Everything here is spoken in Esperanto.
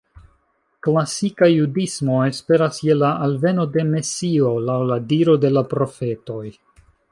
Klasika Judismo esperas je la alveno de Mesio, laŭ la diro de la profetoj.